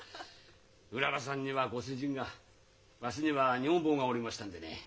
うららさんにはご主人がわしには女房がおりましたんでね